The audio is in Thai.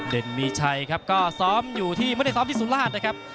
เด่นมีชัยครับก็ซ้อมอยู่ที่ไม่ได้ซ้อมที่สุราชนะครับ